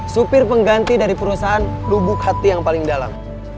supir pengganti dari perusahaan duduk hati yang paling dalam